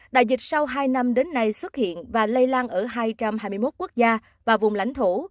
đại dịch sau hai năm đến nay xuất hiện và lây lan ở hai trăm hai mươi một quốc gia và vùng lãnh thổ